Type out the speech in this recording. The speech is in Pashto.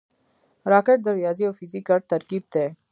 راکټ د ریاضي او فزیک ګډ ترکیب دی